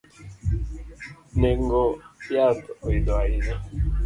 Nengo yath oidho ahinya